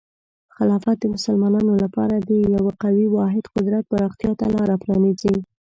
خلافت د مسلمانانو لپاره د یو قوي واحد قدرت پراختیا ته لاره پرانیزي.